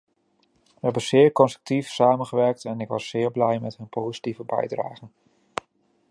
We hebben zeer constructief samengewerkt en ik was zeer blij met hun positieve bijdragen.